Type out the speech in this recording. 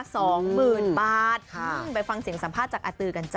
สองหมื่นบาทค่ะไปฟังเสียงสัมภาษณ์จากอาตือกันจ้